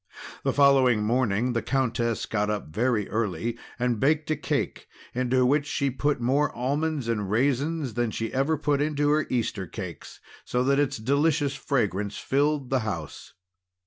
The following morning the Countess got up very early, and baked a cake into which she put more almonds and raisins than she ever put into her Easter cakes, so that its delicious fragrance filled the house.